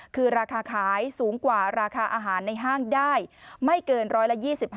คือราคาขายสูงกว่าราคาอาหารในห้างได้ไม่เกิน๑๒๕